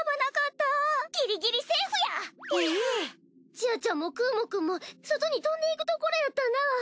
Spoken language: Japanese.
ちあちゃんもくぅもくんも外に飛んでいくところやったな。